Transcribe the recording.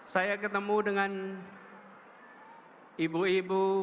saya ketemu dengan ibu ibu